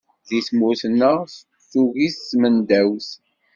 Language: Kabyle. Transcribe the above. Di tmurt-nneɣ tugi-t tmendawt.